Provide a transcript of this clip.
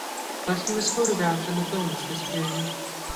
But he was photographed in the films this period.